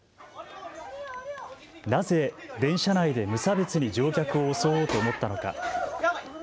なぜ電車内で無差別に乗客を襲おうと思ったのか。